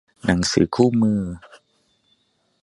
หนังสือคู่มือ